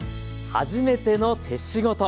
「はじめての手仕事」。